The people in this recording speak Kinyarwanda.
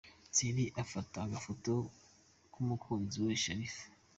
Thierry afata agafoto n'umukunzi we Sharifa.